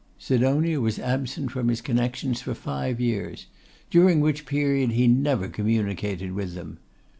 Sidonia was absent from his connections for five years, during which period he never communicated with them.